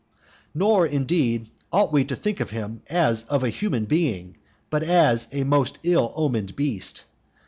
Nor, indeed, ought we to think of him as of a human being, but as of a most ill omened beast.